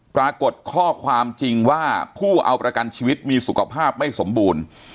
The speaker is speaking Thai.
ปรากฏข้อความจริงว่าผู้เอาประกันชีวิตมีสุขภาพไม่สมบูรณ์